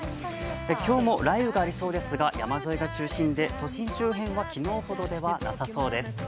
今日も雷雨がありそうですが山沿いが中心で都心周辺は昨日ほどではなさそうです。